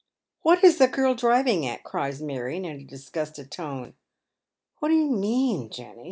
" What is the girl driving at ?" cries Marion, in a disgusted tone. " What do you mean, Jenny